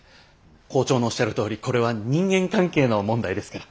校長のおっしゃるとおりこれは人間関係の問題ですから。